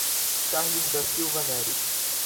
Charles da Silva Neris